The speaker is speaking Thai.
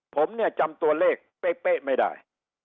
ผมเนี่ยจำตัวเลขเป๊ะไม่ได้